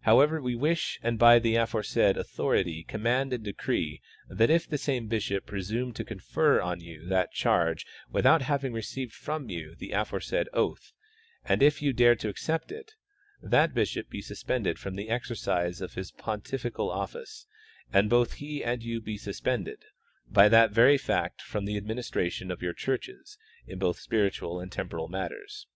However, we wish and by the afore said authority command and decree that if the same bishop presume to confer on you that charge without having received from you the aforesaid oath, and if you dare to accept it, that bishop be suspended from the exercise of his pontifical office and both he and you be suspended, by that very fact, from the administration of jouy churches in both spiritual and temj)oral matters.